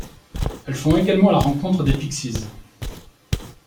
Elles font également la rencontre des Pixies.